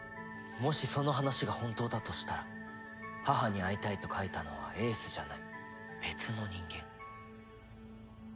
もしその話が本当だとしたら「母に会いたい」と書いたのは英寿じゃない別の人間。